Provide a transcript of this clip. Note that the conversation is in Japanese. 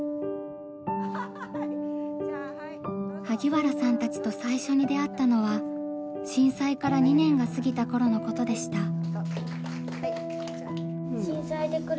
萩原さんたちと最初に出会ったのは震災から２年が過ぎた頃のことでした。